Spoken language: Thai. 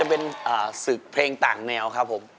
พร้อมหรือยังครับ